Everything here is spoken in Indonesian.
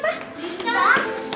nggak ada apa apa